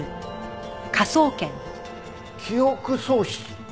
記憶喪失？